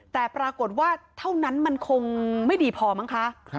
แต่ปรากฏว่าเท่านั้นมันคงไม่ดีพอมั้งคะ